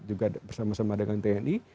juga bersama sama dengan tni